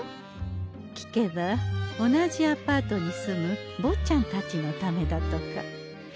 聞けば同じアパートに住むぼっちゃんたちのためだとか。